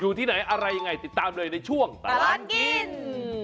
อยู่ที่ไหนอะไรยังไงติดตามเลยในช่วงตลอดกิน